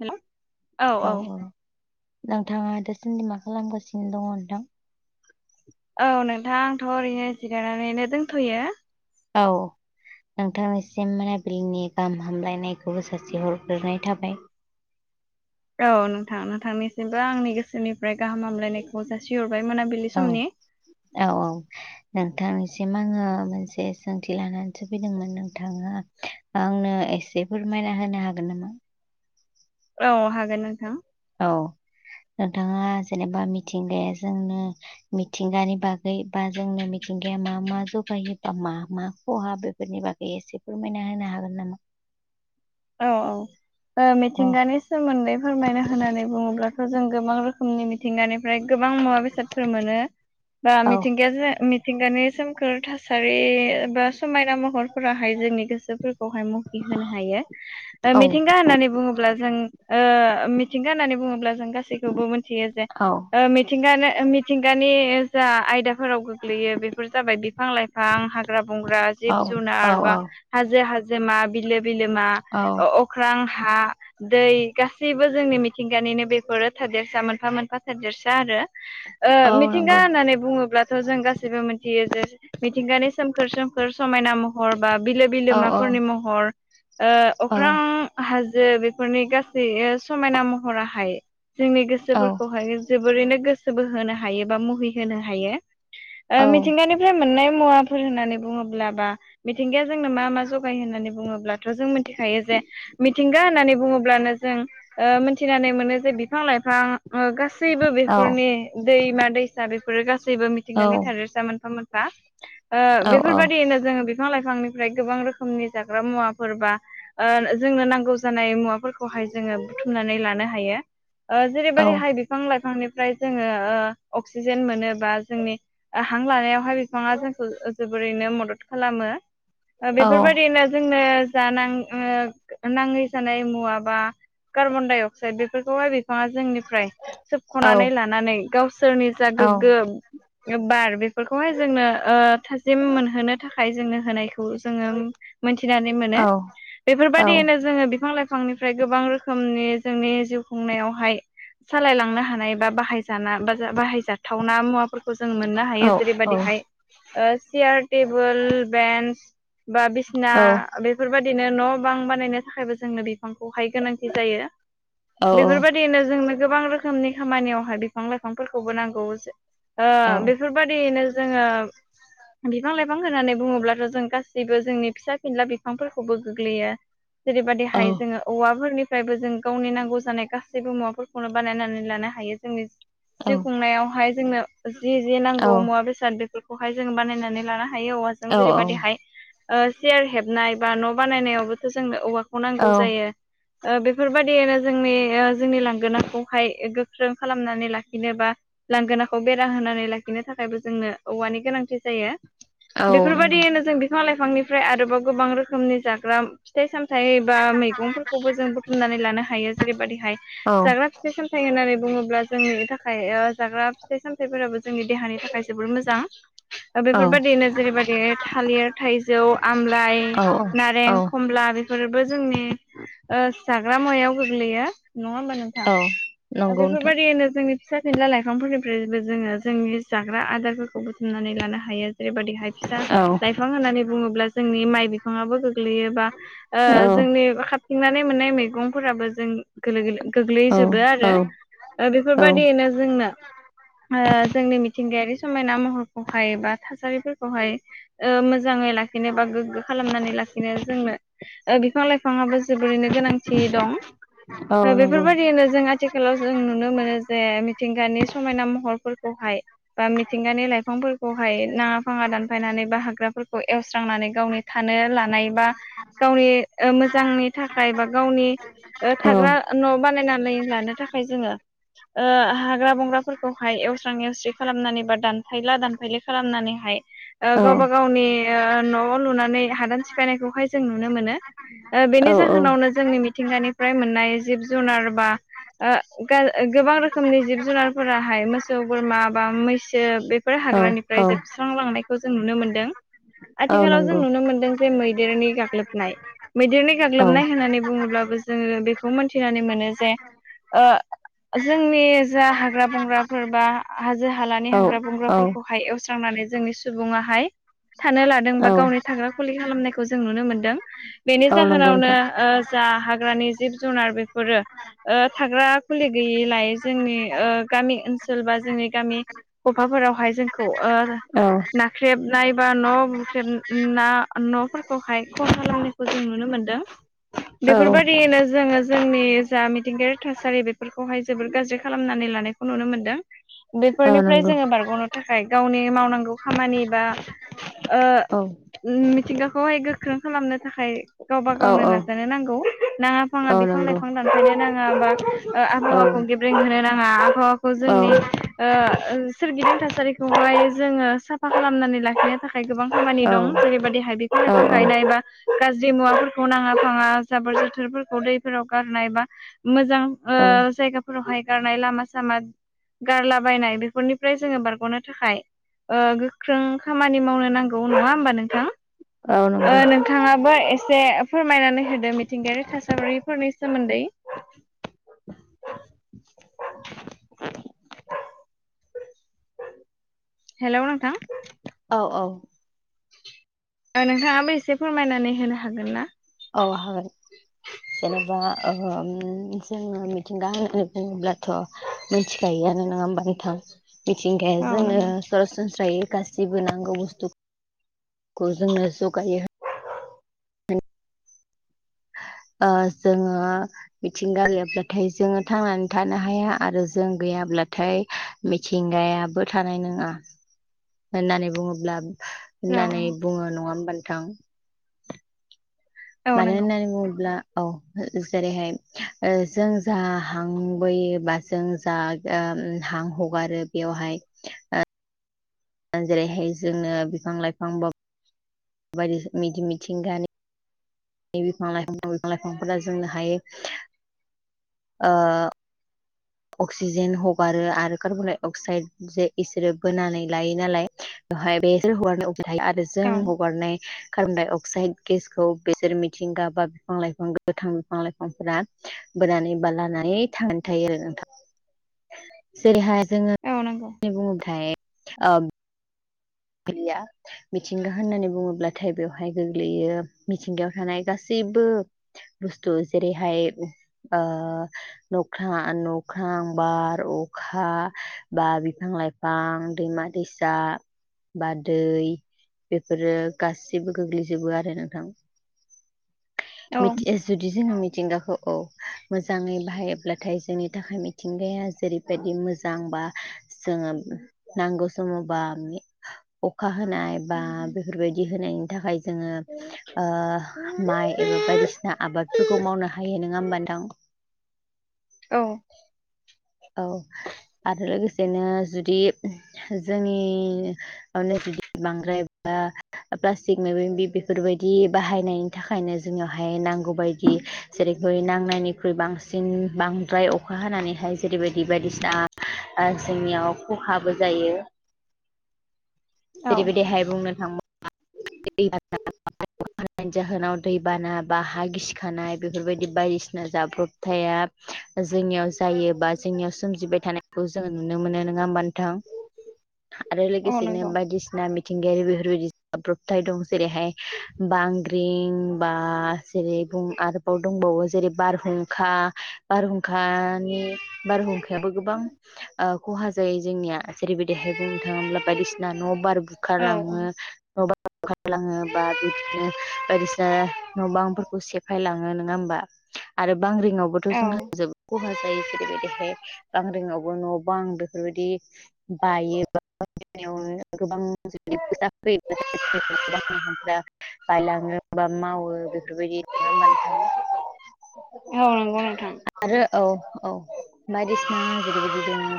हेल' औ औ नोंथाङा दाासान्दि मा खालामगासिनो दङ नोंथां? औ नोंथां आंथ' ओरैनो जिरायनानैनो दंथ'यो । औ । नोंथांनिसिम मोनाबिलिनि गाहाम हामलायनायखौबो सासि हरग्रोनाय थाबाय । औ नोंथां नोंथांनिसिमबो आंनि गोसोनिफ्राय गाहाम हामलायनायखौ जासिहर फाय मोनाबिलि औ समनि । औ औ नोंथांनिसिम आङो मोनसे सोंथि लानानैसो फैदोंमोन नोंथाङा आंनो एसे फोरमायना होनो हागोन नामा? औ हागोन नोंथां । औ । नोंथाङा जेनेबा मिथिंगाया जोंनो मिथिंगानि बागै बा जोंनो मिथिंगाया मा मा जगायो बा मा मा खहा बेफोरनि बागै एसे फोरमायना होनो हागोन नामा? औ औ ओ औ मिथिंगानि सोमोन्दै फोरमायनो होननानै बुङोब्ला जों गोबां रोखोमनि मि मिथिंगानिफ्राय गोबां मुवा बेसादफोर मोनो बा औ मिथिंगाया जों मि मिथिंगानि सोमखोर थासारि बा समायना महरफोराहाय जोंनि गोसोफोरखौहाय मुहि होनो हायो । औ मिथिंगा होननानै बुङोब्ला जों ओ मिथिंगा होननानै बुङोब्ला जों गासैखौबो मिथियो जे औ ओ मिथिंगानो मिथिंगानि जा आयदा फोराव गोग्लैयो बेफोर जाबाय बिफां लाइफां हाग्रा बंग्रा जिब औ औ जुनार बा औ हाजो हाजो जोमा बिलो बिलोमा औ अख्रां हा दै गासैबो जोंनि मिथिंगानिनो बेफोरो थादेरसा मोनफा मोनफा थादेरसा आरो । ओ औ मिथिंगा नंगौ होननानै बुङोब्लाथ' जों गासैबो मिथियो जे मिथिंगानि सोमखोर सोमखोर समायना महर बा बिलो औ औ बिलोमाफोरनि महर ओ औ अख्रां हाजो बेफोरनि गासै समायना महराहाय जोंनि गोसोफोरखौहाय जोबोरैनो गोसोबो होनो हायो बा मुहि होनो हायो । औ ओ मिथिंगानिफ्राय मोननाय मुवा फोर होननानै बुङोब्ला बा मिथिंगाया जोंनो मा मा जगाय होननानै बुङोब्लाथ' जों मिन मिथिखायो जे मिथिंगा होननानै बुङोब्लानो जों ओ मिथिनानै मोनो जे बिफां लाइफां गासैबो औ बेफोरनि दैमा दैसा बेफोर फोर गासैबो औ मिथिंगानि थादोरसा मोनफा मोनफा ओ औ बेफोरबायदियैनो जोङो बिफां लाइफां बिफांनिफ्राय गोबां रोखोमनि जाग्रा मुवाफोर बा ओ जोंनो नांगौ जानाय मुवा फोरखौहाय जोङो बुथुमनानै लानो हायो । ओ औ जेरैबायदि हाय बिफां लाइफांनि फ्राय जोङो ओ अक्सिजेन मोनो बा जोंनि हां लानायावहाय बिफाङा जोंखौ जोबोद रैनो मदद खालामो ओ औ बेफोरबायदियैनो जोंनो जानां ओ नाङै जानाय मुवा बा कार्बन डाइअक्साइद बेफोरखौहाय बिफां जोंनि निफ्राय सोबख'नानै लानानै गावसि सोरनि जा गोग्गो बार बेफोरखौहाय जोंनो ओ थाजिम मोनहोनो थाखा खाय जोंनो होनायखौ जोङो मोनथिनानै मोनो। बेफोरबायदियैनो जोङो बिफां लाइ फांनिफ्राय गोबां रोखोमनि जोंनि जिउ खुंनायावहाय सालायलांनो हानाय बा बाहाय जाना बा बा-बाहायजाथावना मुवाफोरखौ जों मोननो हायो। जेरैबायदिहाय ओ चेयार, टेबोल, बेन्स बा बिसिना बेफोरबायदिनो न' बां बानायनो थाखायबो जोंनो बि फांखौहाय गोनांथि जायो। बेफोरबायदिनो जोंनो गोबां रोखोमनि खामानियावहाय बिफां लाइफांफोरखौबो नांगौ जो ओ बेफोरबायदियैनो जोङो बिफां लाइफां होनानै बुङोब्लाथ' जों गासैबो जोंनि फिसा फिनला बिफा फांफोरखौबो गोग्लैयो, औ जेरैबायदिहाय जोङो औवाफोरनि फ्रायबो जों गावनि नांगौ जानाय गासैबो मुवाफोरखौनो बानायनानै लानो हायो जोंनि औ जिउ खुंनायावहाय जोंनो जि जि नांगौ मुवा बेसाद बेफोरखौहाय जों बानायनानै लानो हायो औवाजों जेरैबायदिहाय ओ सियार हेबनाय बा न' बानायनायावबोथ' जोंनो औवाखौ नांगौ जायो। ओ बेफोरबायदियैनो जोंनि ओ जोंनि लांगोनाखौहाय गोख्रों खालामनानै लाखिनोबा लांगोनाखौ बेरा होनानै लाखिनो थाखायबो जोंनो औवानि गोनांथि जायो। नंगौ बेफोरबायदियैनो जों बिफां लाइफांनिफ्राय आरोबाव गोबां रोखोमनि जाग्रा फिथाइ साम थाइ बा मैगंफोरखौबो जों बुथुमनानै लानो हायो जेरैबायदिहाय औ जाग्रा फिथाइ सामथाइ होननानै बुं बुङोब्ला जोंनि थाखाय ओ जाग्रा फिथाइ सामथाइफोराबो जोंनि देहानि थाखाय जोबोर मोजां ओ औ बेफोरबादियैनो जेरैबायदियै थालिर थाइजौ आमलाइ औ औ नारें खमला बेफोरबो जोंनि ओ जाग्रा मुवायाव गोग्लैयो नङा होमबा औ नोंथां। ओ नंगौ नोंथां बेफोरबायदियैनो जोंनि फिसा फिनला लाइफांफोरनिफ्रायबो जोङो जोंनि जाग्रा आदारफोरखौ बुथुमनानै लानो हायो। जेरैबायदिहाय फिसा लाइफां होननानै बुङोब्ला जोंनि माइ बि गोग्लैयोबा ओ औ जोंनि खाबथिंनानै मोननाय मैगंफोराबो जों गोलो-गोलो-गोग्लैजोबो औ आरो। ओ औ बेफोरबादियैनो जोंनो ओ जोंनि मिथिंगायारि समायना महरखौहाय बा थासारिफोरखौहाय ओ मोजाङै ला खिनो बा गोग्गो खालामनानै लाखिनो जोंनो ओ बिफां लाइफाङाबो जोबोरैनो गोनांथि दं। औ ओ नंगौ बेफोरबायदिनो जों आथिखालाव जों नुनो मोनो जे मिथिंगानि समायना महरफोरखौहाय बा मिथिंगानि लाइफांफोरखौहाय नाङा फाङा दानफायनानै बा हाग्राफोरखौ एवस्रांनानै गाव थानो लानाय बा गावनि ओ मोजांनि थाखाय बा गावनि ओ औ थाग्रा न' बानायनानै लानो थाखाय जोङो ओ हाग्रा बंग्राफोरखौहाय एवस्रां एवस्रि खालामनानै बा दानफायला दानफायलि खालामनानैहाय ओ औ गावबा गावनि ओ न'आव लुनानै हादान सिफायनायखौहाय जों नुनो मोनो। ओ बेनि औ जाहोनावनो जोंनि मिथिंगानिफ्राय मोननाय जिब जुनार बा ओ गा-गोबां रोखोमनि जिब जुनारफोराहाय मोसौ बोरमा बा मैसो बेफोर औ हाग्रानिफ्राय जोबस्रांलांनायखौ जों नुनो मोनदों। औ आथिखालाव जों नंगौ नुनो मोनदों जे मैदेरनि गाग्लोबनाय मैदेरनि औ गाग्लोबनाय होननानै बुङोब्लाबो जोङो बेखौ मोनथिनानै मोनो जे ओ जोंनि जा हाग्रा बंग्राफोर बा हाजो हालानि हांग्रा औ बंग्राफोरखौहाय एवस्रांनानै जोंनि सुबुङाहाय थानो लादों औ बा गावनि थाग्रा खुलि खालामनायखौ जों नुनो मोनदों। बेनि औ नंगौ जाहोनावनो नोंथां ओ जा हाग्रानि जिब जुनार बेफोरो ओ थाग्रा खुलि गैयैलाय जोंनि ओ गामि ओनसोल बा जोंनि गामि गफाफोरावहाय जोंखौ औ नाख्रेबनाय बा, न' बुख्रेब, ! न'फोरखौहाय खहा, खालामनायखौ जों, नुनो मोनदों, ! औ बेफोरबाय दियैनो जोङो जोंनि जा मिथिंगायारि थासारि बेफोरखौ हाय जोबोर गाज्रि खालामनानै लानायखौ नुनो मोनदों। औ बेफोरनिफ्राय नंगौ जोङो, बारग'नो थाखाय गावनि मावनांगौ खामानि बा, औ, मिथिंगाखौ हाय, गोख्रों खालामनो थाखाय, गावबा औ गावनो औ नाजानो नांगौ,, ! नाङा फाङा औ बिफां नंगौ लाइफां दानफायनो नाङा बा औ आबहावाखौ गेब्रेंहो नाङा, आबहावाखौ औ जोंनि, सोरगिदिं, थासारि खौहाय जोङो, ! साफा खालामनानै लाखिनो थाखाय गोबां खामानि औ दं जेरै बायदि हाय बिफां औ लाइफां गायनाय बा, गाज्रि मुवाफोरखौ नाङा, फाङा जाबोर, जोथोरफोरखौ दैफोराव, गारनाय बा, मोजां! मोजां, जायगाफोरावहाय, गारनाय लामा, सामा गारला बायनाय बेफोरनि फ्राय जोङो बारग'नो थाखाय, ! ओ, गोख्रों खामानि, मावनो नांगौ, ! नङा, होमबा नोंथां, नंगौ नोंथाङाबो ओ, एसे, फोरमायनानै! होदो मिथिंगायारि, थासारिफोरनि सोमोन्दै, आ, हेल' नोंथां, औ औ, नोंथाङाबो, एसे, फोरमायनानै होनो, हागोन ना, ! औ, हागोन जेनेबा जोङो, मिथिंगा होन--, ! बुङोब्लाथ' मिथिखायोआानो नङा, होमब नोंथां, ! मिथिंगाया औ जोंनो नंगौ। सरासनस्रायै गासैबो जेबो नांगौ, बुस्थु, खौ जोंनो, जगायो! औ। ओ जोङो मिथिंगा गैयाब्लाथाय जोङो, थांनानै थानो हाया आरो जों गैयाब्ला अब्लाथाय मिथिंगायाबो थानाय नङा होननानै बुङोब्ला औ होननानै बुङो, नङा, होनोमबथां, ! औ मानो नंगौ होन्नानै बुङोब्ला औ जेरै हाय जों जा हांबोयोबा जों जा ओ हां, हगारो बेयावहाय, ! जेरैहाय, जोंनो बिफां, लाइफांब! बाइदि मिथिं गानि। बिफां, लाइफांफोरा जोंनो हायो, अक्सिजेन हगारो आरो कार्बनडाइ अक्साइद जे इसोरो बोनानै लायो नालाय बेसोर हगारनाय अफ थायो आरो जों औ हगारनाय कार्बनडाइ अक्सि अक्साइड गेसखौ बेसोर मिथिंगा बा बिफां लाइफां गोथां बिफां लाइफांफोरा बोनानै माबा, लानानै, थांनानै थायो, आरो! जेरै, हाय जोङो, औ नंगौ बुङोबथाय! या मिथिंगा होननानै, बुङोब्ला थाय बेवहाय गोग्लैयो, मिथिंगायाव, थानाय गासै, ! जबो, बुस्थु, जेरैहाय! ओ, नख्रां, बार, अखा बा बिफां, ! बिफां लाइफां, दैमा, दैसा! बा, दै, बेफोरो गासैबो, गोग्लैजोबो आरो ना! नोंथां, औ। [unintelligible] जुदि जोङो मिथिंगाखौ औ मोजाङै बाहाय अब्लाथाय जोंनि थाखाय मिथिंगाया जेरैबायदि मोजां बा जोङो नांगौ समाव बारनि अखा अखा होनाय बा बेफोरबायदि होनायनि थाखाय जोङो ओ माइ एबा बायदिसिना आबादफोरखौ मावनो हायो नङा होमबा नोंथां? औ। औ आरो लोगोसे ओरैनो जुदि जोंनियावनो जुदि बांद्राय बा प्लास्टिक माबा मिबि बेफोरबायदि बाहायनायनि थाखायनो जोंनियावहाय नांगौ बायदि जेरै बै नांनायनिख्रुय बांसिन बांद्राय अखा हानानैहाय जे जेरैबायदि बायदिसिना जोंनियाव खहाबो जायो। औ जेरैबायदिहाय बुंनो थाङोब जाहोनाव [unintelligible] दैबाना बा हा गिसिखानाय बेफोरबायदि बायदिसिना जाब्रबथाया जोंनियाव जायो बा जोंनियाव सोमजिबाय थानायखौ जोङो नुनो मोनो नङा होमबा नों थां आरो औ लोगोसेनो नंगौ बायदिसिना मिथिं बेफोरबायदि साब्रबथाय दं जेरैहाय बांग्रिं बा जेरै बुंनो हायो आरोबाव दंबावो जेरै बारहुंखा बारहुंखानि बारहुंखायाबो गोबां ओ खहा जायो जोंनिया। जेरैबायदिहाय बुंनो थाङोब्ला बायदिसिना न' बार औ बुखारलाङो न बां बुखारलांङो बा बिदिनो बायदिसिना न' बांफोरखौ सेफायलाङो नङा ओम आरो बांग्रिंआवबोथ' औ जों जोबोद खहा जायो जेरैबायदि बांग्रि आवबो न' बां बेफोरबायदि बायो बावनो गोबां बायला [unintelligible] बा मावो बेफोरबायदि नङाओमबा नोंथां? औ नंगौ नोंथां आरो औ औ बायदिसिना जेरैबायदि दोङो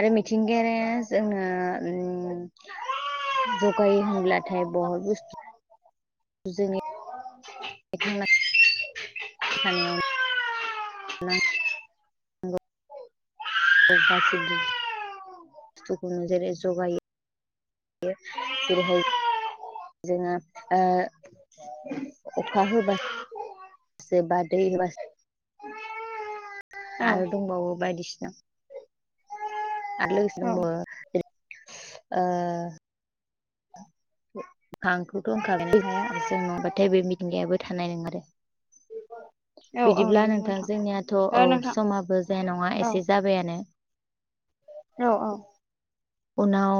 आरो मिथिंगारिया जोङो ओम जौगायो होनब्लाथाय बहत बुस्थु जोंनि बिथांना थानायावनो नोंगौ। औ गासैबो बुस्थुखौनो जेरै जगायो। जेरैहाय जोंङो ओ अखा होब्लासोबा दै होब्लासो औ। आरो दंबावो बायदिसिना आरो लोगोसे औ दंबावो ओ आंखौथ' होनओखाबायना हाया जों नङाबाथाय बे मिथिंगायाबो थानाय नंङ आरो औ औ बिदिब्ला नंगौ नोंथां जोंनियाथ' औ ओ नोंथां समाबो जे नङा औ एसे जाबायानो औ औ उनाव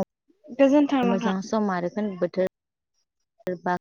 गोजोन्थों नोंथां। मोजां सम आरो खोन्दो बोथोर बा